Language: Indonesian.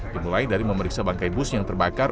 dimulai dari memeriksa bangkai bus yang terbakar